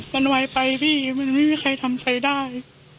มันไวไปพี่มันไม่มีใครทำใครได้